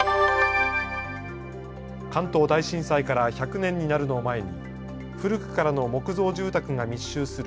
関東大震災から１００年になるのを前に古くからの木造住宅が密集する